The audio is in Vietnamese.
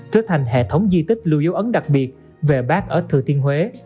trở thành hệ thống di tích lưu dấu ấn đặc biệt về bác ở thừa thiên huế